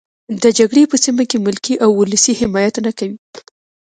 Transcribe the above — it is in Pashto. د جګړې په سیمه کې ملکي او ولسي حمایت نه کوي.